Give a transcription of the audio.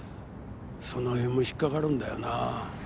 その辺も引っかかるんだよな。